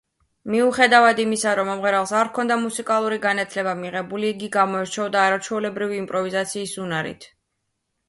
მიუხედავად იმისა რომ მომღერალს არ ჰქონდა მუსიკალური განათლება მიღებული, იგი გამოირჩეოდა არაჩვეულებრივი იმპროვიზაციის უნარით.